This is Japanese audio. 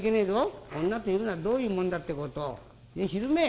女というのはどういうもんだってことを知るめえ。